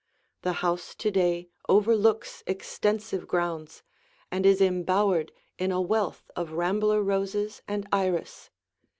The house to day overlooks extensive grounds and is embowered in a wealth of rambler roses and iris.